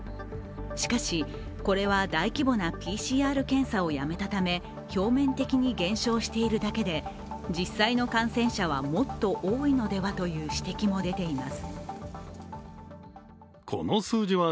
しかし、これは大規模なＰＣＲ検査をやめたため表面的に減少しているだけで、実際の感染者はもっと多いのではという指摘も出ています。